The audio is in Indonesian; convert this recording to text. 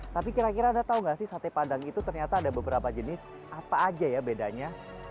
tapi kira kira anda tahu nggak sih sate padang itu ternyata ada beberapa jenis apa aja ya bedanya